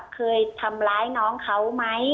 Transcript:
เคยทำร้ายน้องเขาไหม